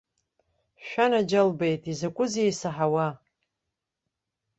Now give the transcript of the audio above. Шәанаџьалбеит, изакәызеи исаҳауа?!